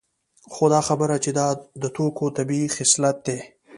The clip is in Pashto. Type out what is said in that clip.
خو دا خبره چې دا د توکو طبیعي خصلت دی